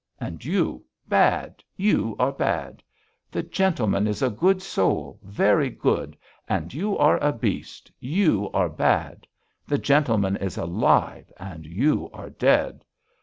And you ... bad! You are bad! The gentleman is a good soul, very good, and you are a beast, you are bad! The gentleman is alive and you are dead....